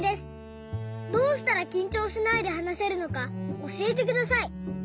どうしたらきんちょうしないではなせるのかおしえてください」。